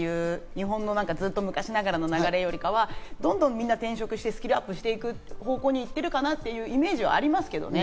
でも最近、終身雇用っていう日本のずっと昔ながらの流れよりかは、どんどん、みんな転職してスキルアップしていく方向に行ってるかなというイメージはありますけどね。